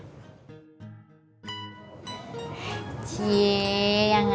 biar dibilang hebat kayak si cisna